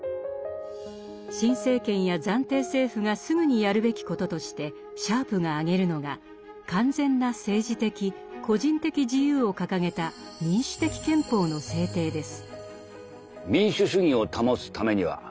新政権や暫定政府がすぐにやるべきこととしてシャープが挙げるのが「完全な政治的個人的自由を掲げた民主的憲法」の制定です。